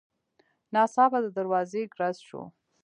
ناڅاپه د دروازې ګړز شو.